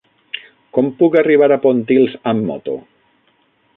Com puc arribar a Pontils amb moto?